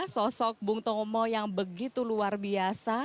sosok bung tomo yang begitu luar biasa